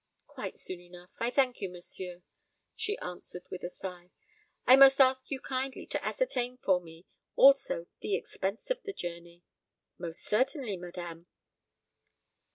"Quite soon enough, I thank you, monsieur," she answered, with a sigh. "I must ask you kindly to ascertain for me also the expense of the journey." "Most certainly, madame."